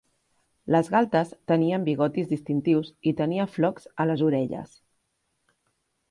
Les galtes tenien bigotis distintius i tenia flocs a les orelles.